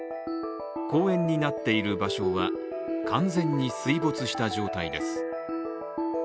公園になっている場所は完全に水没した状態です。